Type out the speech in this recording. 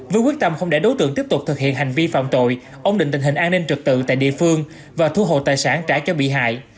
với quyết tâm không để đối tượng tiếp tục thực hiện hành vi phạm tội ông định tình hình an ninh trực tự tại địa phương và thu hồi tài sản trả cho bị hại